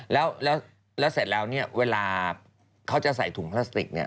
แล้วเสร็จแล้วเนี่ยเวลาเขาจะใส่ถุงพลาสติกเนี่ย